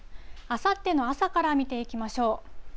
あさっての朝から見ていきましょう。